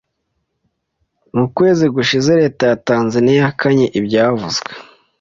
Mu kwezi gushize, leta ya Tanzania yahakanye ibyavuzwe